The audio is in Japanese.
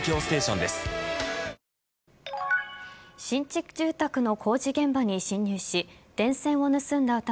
新築住宅の工事現場に侵入し電線を盗んだ